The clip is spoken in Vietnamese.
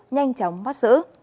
nhanh chóng bắt xử